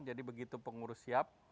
jadi begitu pengurus siap